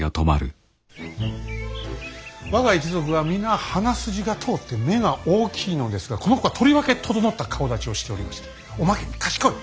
我が一族は皆鼻筋が通って目が大きいのですがこの子はとりわけ整った顔だちをしておりましておまけに賢い。